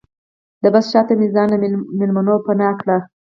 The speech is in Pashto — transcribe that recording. د بس شاته مې ځان له مېلمنو پناه کړ.